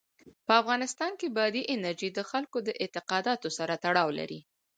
په افغانستان کې بادي انرژي د خلکو د اعتقاداتو سره تړاو لري.